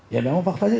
ya memang faktanya